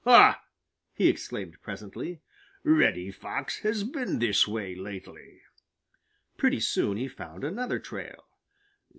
"Ha!" he exclaimed presently, "Reddy Fox has been this way lately." Pretty soon he found another trail.